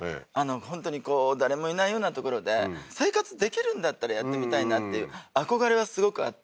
本当に誰もいないような所で生活できるんだったらやってみたいなっていう憧れはすごくあって